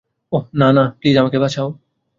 ওহ না, না, প্লিজ আমাকে বাঁচাও।